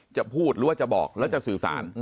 จะพูดจะบอกและจะสื่อสาร